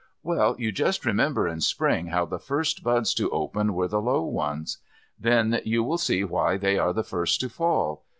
Well, you just remember in Spring how the first buds to open were the low ones. Then you will see why they are the first to fall.